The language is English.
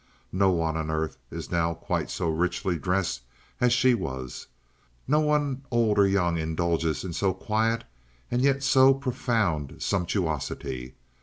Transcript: No one on earth is now quite so richly dressed as she was, no one old or young indulges in so quiet and yet so profound a sumptuosity.